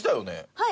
はい。